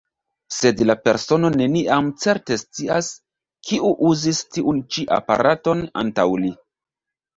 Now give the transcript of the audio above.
Sed la persono neniam certe scias, kiu uzis tiun ĉi aparaton antaŭ li.